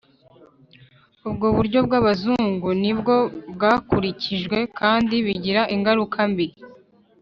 Ubwo buryo bw'Abazungu ni bwo bwakurikijwe kandi bigira ingaruka mbi